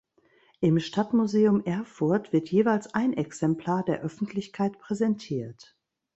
Im Stadtmuseum Erfurt wird jeweils ein Exemplar der Öffentlichkeit präsentiert.